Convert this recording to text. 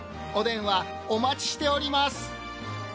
お電話お待ちしております。